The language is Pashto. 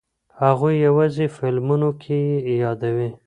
هغوی یوازې فلمونو کې یې یادوي.